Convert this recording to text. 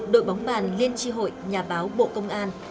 đội bóng bàn liên tri hội nhà báo bộ công an